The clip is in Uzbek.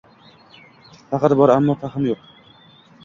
Faxr bor ammo fahm yo‘q